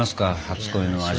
初恋の味。